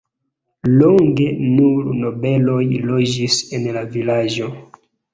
Longe nur nobeloj loĝis en la vilaĝo.